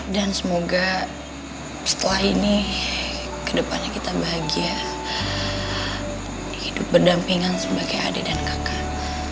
dan semoga setelah ini kedepannya kita bahagia hidup berdampingan sebagai adik dan kakak